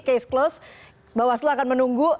case close bawaslu akan menunggu